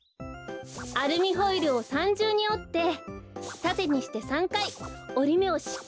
アルミホイルを３じゅうにおってたてにして３かいおりめをしっかりつけております。